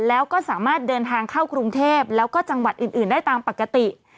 แล้วก็สามารถเดินทางเข้ากรุงเทพแล้วก็จังหวัดอื่นได้ตามปกติ